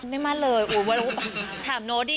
ไม่มาเหมือนเลยโอ๊ยถามโน๊ตดิ